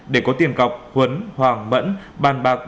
để có tiền cọc huấn hoàng mẫn bàn bạc bán phê